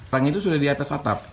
rang itu sudah di atas atap